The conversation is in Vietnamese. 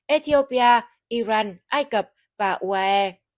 ethiopia iran ai cập và uae